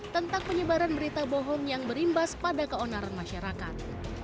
tentang penyebaran berita bohong yang berimbas pada keonaran masyarakat